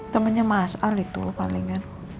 temennya mas al itu palingan